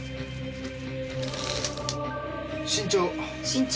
身長。